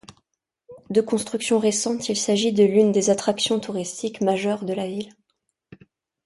De construction récente, il s'agit de l'une des attractions touristiques majeures de la ville.